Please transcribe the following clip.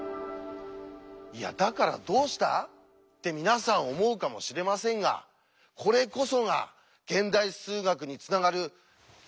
「いやだからどうした？」って皆さん思うかもしれませんがこれこそが現代数学につながる大進歩だったんですよ！